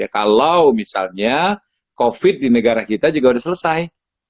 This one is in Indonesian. kalau misalnya covid di negara kita juga sudah selesai